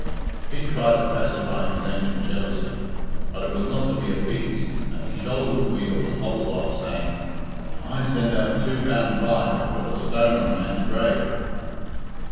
Pete tried to pacify his ancient jealousy, but it was not to be appeased, and he shouldered the wheel and hobbled off, saying, "And I sent out two pound five to put a stone on the man's grave!"